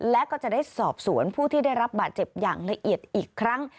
และก็จะได้สอบสวนผู้ที่ได้รับบาดเจ็บอย่างละเอียดอีกครั้ง